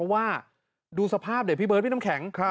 ว่าดูสภาพดิพี่เบิร์ดพี่น้ำแข็ง